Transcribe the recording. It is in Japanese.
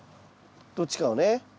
どっちかをねはい。